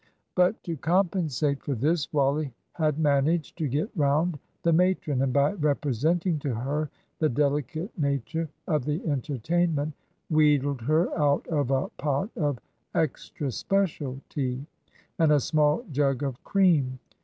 But, to compensate for this, Wally had managed to get round the matron, and by representing to her the delicate nature of the entertainment, wheedled her out of a pot of "extra special" tea, and a small jug of cream.